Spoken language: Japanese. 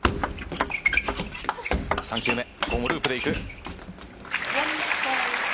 ３球目、ここもループでいく。